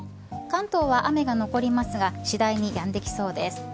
関東は雨が残りますが次第にやんできそうです。